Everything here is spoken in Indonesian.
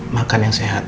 makan yang sehat